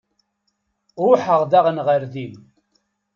Ruḥeɣ daɣen ɣer din.